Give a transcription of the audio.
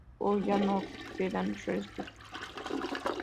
Hoy ya no quedan restos.